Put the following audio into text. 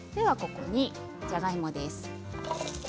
ここにじゃがいもです。